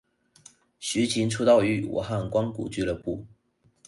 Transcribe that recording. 徐擎出道于武汉光谷俱乐部。